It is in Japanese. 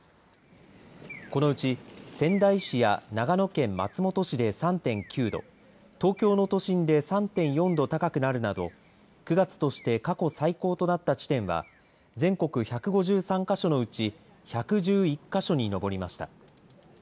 このうち仙台市や長野県松本市で３．９度東京の都心で３．４度高くなるなど９月として過去最高となった地点は全国１５３か所のうち１１１か所に上りました。